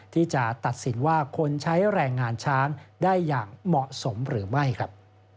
ที่จะตัดสินว่าคนใช้แรงงานช้างได้อย่างเหมาะสมหรือไม่ครับ